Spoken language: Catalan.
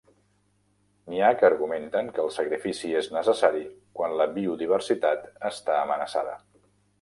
N'hi ha que argumenten que el sacrifici és necessari quan la biodiversitat està amenaçada.